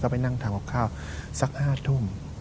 ไปนั่งทำกับข้าวสัก๕ทุ่ม